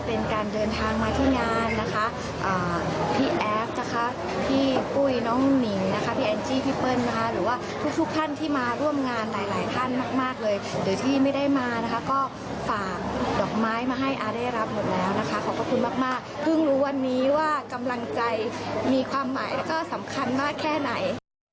เพิ่งรู้วันนี้ว่ากำลังใจมีความหมายก็สำคัญมากแค่ไหน